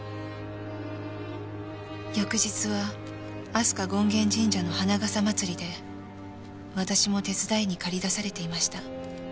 翌日は飛鳥権現神社の花笠祭りで私も手伝いに駆り出されていました。